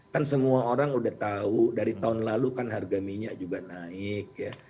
kan semua orang udah tahu dari tahun lalu kan harga minyak juga naik ya